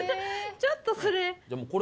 ちょっとそれ。